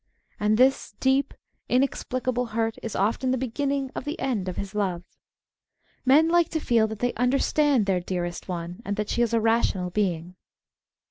And this deep, inexplicable hurt is often the beginning of the end of his love. Men like to feel that they understand their dearest one, and that she is a rational being.